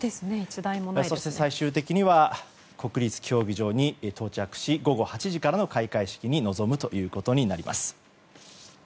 そして最終的には国立競技場に到着し午後８時からの開会式に臨むことになります。